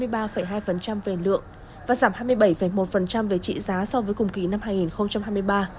giảm hai mươi ba hai về lượng và giảm hai mươi bảy một về trị giá so với cùng kỳ năm hai nghìn hai mươi ba